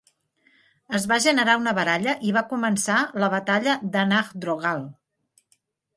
Es va generar una baralla i va començar la batalla d'Annaghdroghal.